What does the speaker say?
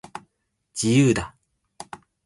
自由だ